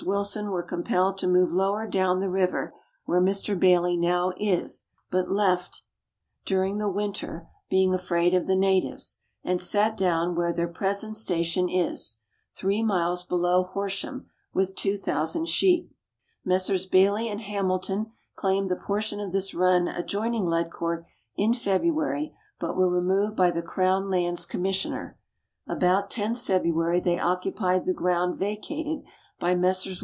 Wilson were compelled to move lower down the river, where Mr. Baillie now is, but left during the Letters from Victorian Pioneers. 191 winter, being afraid of the natives, and sat down where their pre sent station is three miles below Horsham with 2,000 sheep. Messrs. Baillie and Hamilton claimed the portion of this run adjoining Ledcourt, in February, but were removed by the Crown Lands Commissioner. About 10th February they occupied the ground vacated by Messrs.